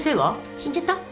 死んじゃった？